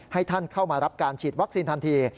ให้ท่านเข้ามารับการฉีดวัคซีนทันที